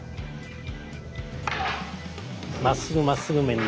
まっすぐまっすぐ面に。